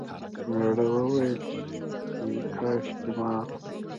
میړه وویل چې کاشکې مات...